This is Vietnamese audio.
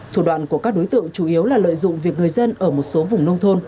thủ đoạn của các đối tượng chủ yếu là lợi dụng việc người dân ở một số vùng nông thôn